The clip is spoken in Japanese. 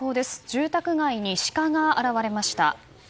住宅街にシカが現れました。